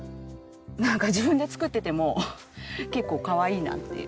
なんか自分で作ってても結構かわいいなって。